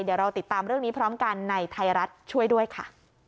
เดี๋ยวเราติดตามเรื่องนี้พร้อมกันในไทยรัฐช่วยด้วยค่ะ